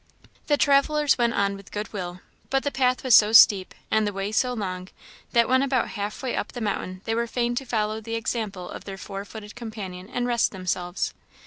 The travellers went on with good will; but the path was so steep, and the way so long that when about half way up the mountain they were fain to follow the example of their four footed companion, and rest themselves.